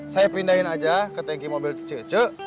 saya pindahin aja ke tanki mobil cece ece